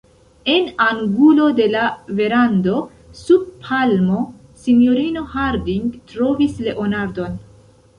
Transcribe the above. En angulo de la verando, sub palmo, sinjorino Harding trovis Leonardon.